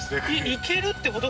行けるってこと？